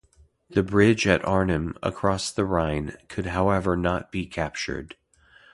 The bridge at Arnhem, across the Rhine, could however not be captured.